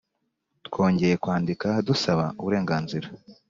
Twongeye kwandika dusaba uburenganzira.